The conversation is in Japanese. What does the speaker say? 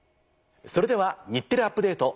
それでは『日テレアップＤａｔｅ！』